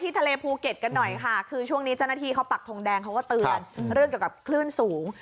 ตอนนี้เจ้านัทธีี้ก็ปักโทงแดงซึ่งก็ก็เตือนเรื่องเกี่ยวกับคลื่นสูง